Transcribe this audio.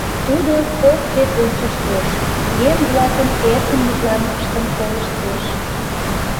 Тудо кок век ончыштеш, еҥ-влакын эркын мутланымыштым колыштеш.